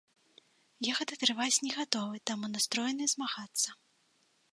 Я гэта трываць не гатовы, таму настроены змагацца.